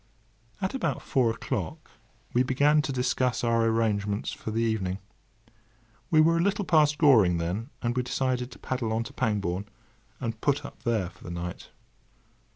At about four o'clock we began to discuss our arrangements for the evening. We were a little past Goring then, and we decided to paddle on to Pangbourne, and put up there for the night.